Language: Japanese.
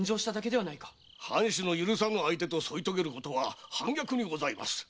藩主の許さぬ相手と添い遂げることは反逆にございます。